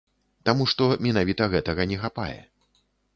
Таму што менавіта гэтага не хапае.